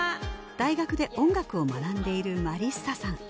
大学で音楽を学んでいるマリッサさん